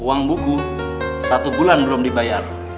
uang buku satu bulan belum dibayar